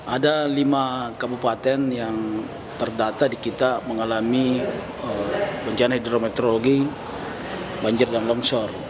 ada lima kabupaten yang terdata di kita mengalami bencana hidrometeorologi banjir dan longsor